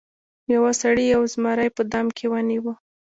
یو سړي یو زمری په دام کې ونیو.